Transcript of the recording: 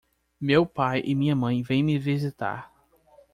meu pai e minha mãe vem me visitar